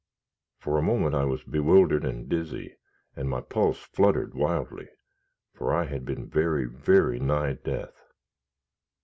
For a moment I was bewildered and dizzy, and my pulse fluttered wildly, for I had been very, very nigh death.